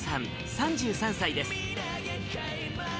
３３歳です。